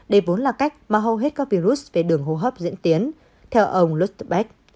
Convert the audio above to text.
đây vốn là cách mà hầu hết các virus về đường hô hấp diễn tiến theo ông lutbeck